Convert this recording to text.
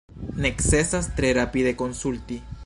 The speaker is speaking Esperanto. Necesas tre rapide konsulti.